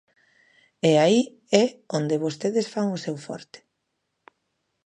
E aí é onde vostedes fan o seu forte.